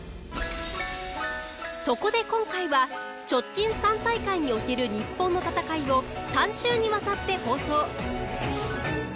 そこで今回は直近３大会における日本の戦いを３週にわたって放送。